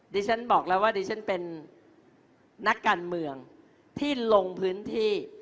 ฉันบอกแล้วว่าดิฉันเป็นนักการเมืองที่ลงพื้นที่